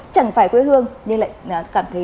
chẳng phải quê hương nhưng lại cảm thấy